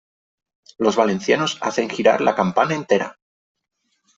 Los valencianos hacen girar la campana entera.